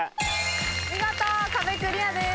見事壁クリアです。